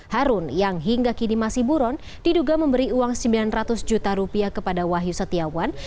harun yang hingga kini masih buron diduga memberi uang sembilan ratus juta rupiah kepada wahyu setiawan